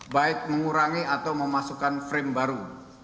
baik mengurangi atau memasukkan frame baru